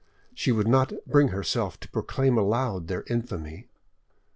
She would not bring herself to proclaim aloud their infamy.